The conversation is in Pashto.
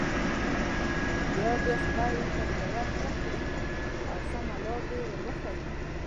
نو بیا دې خدای ورته هدایت وکړي او سمه لاره دې ور وښيي.